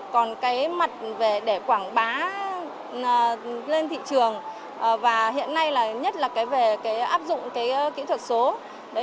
còn cái mặt về để quảng bá lên thị trường và hiện nay là nhất là về cái áp dụng cái kỹ thuật số